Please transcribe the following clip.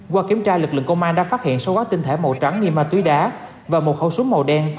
qua kiểm tra lực lượng công an đã phát hiện sâu áp tinh thẻ màu trắng nghi ma túy đá và một hậu súng màu đen